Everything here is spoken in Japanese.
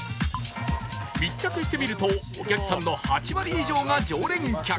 密着してみるとお客さんの８割以上が常連客